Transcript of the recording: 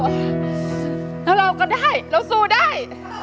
แล้วเราก็ได้เราสู้ได้